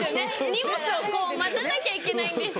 荷物を待たなきゃいけないんです。